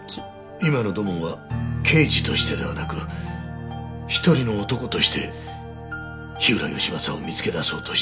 今の土門は刑事としてではなく一人の男として火浦義正を見つけ出そうとしているのかもしれない。